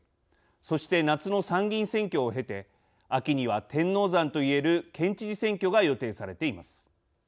そして夏の参議院選挙を経て秋には天王山といえる県知事選挙が予定されています。